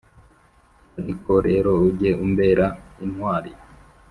Ariko rero ujye umbera intwari